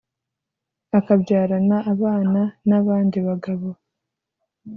akabyarana abana n’abandi bagabo.